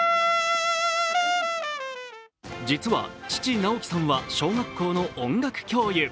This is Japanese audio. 実は父・直樹さんは小学校の音楽教諭。